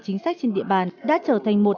chính sách trên địa bàn đã trở thành một